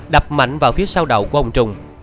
đập mạnh vào phía sau đầu của ông trung